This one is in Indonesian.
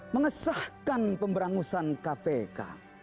mengesahkan pemberangusan kpk